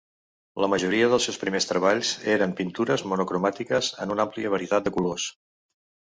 La majoria dels seus primers treballs eren pintures monocromàtiques en una àmplia varietat de colors.